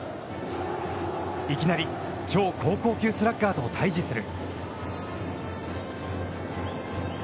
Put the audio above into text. いきなり超高校級スラッガーと対じする。